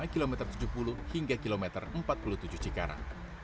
kilometer tujuh puluh hingga kilometer empat puluh tujuh cikarang